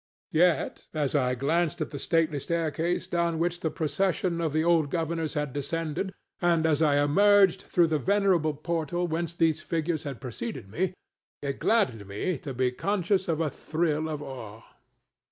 Yet, as I glanced at the stately staircase down which the procession of the old governors had descended, and as I emerged through the venerable portal whence their figures had preceded me, it gladdened me to be conscious of a thrill of awe.